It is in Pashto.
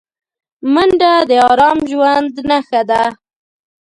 منډه د ارام ژوند نښه ده